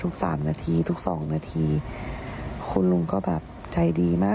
สามนาทีทุกสองนาทีคุณลุงก็แบบใจดีมาก